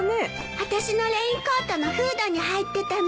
あたしのレインコートのフードに入ってたの。